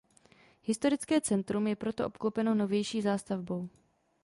Historické centrum je proto obklopeno novější zástavbou.